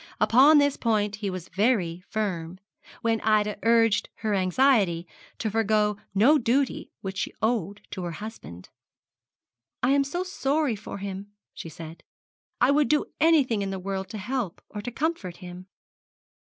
Upon this point he was very firm, when Ida urged her anxiety to forego no duty which she owed to her husband. 'I am so sorry for him,' she said. 'I would do anything in the world to help or to comfort him.'